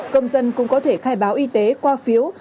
công dân cũng có thể khai báo y tế qua phiếu